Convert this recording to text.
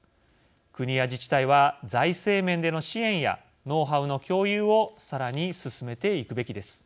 国や自治体は財政面での支援やノウハウの共有をさらに進めていくべきです。